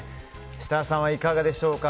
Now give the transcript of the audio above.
設楽さんはいかがでしょうか。